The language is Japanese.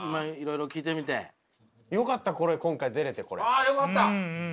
ああよかった！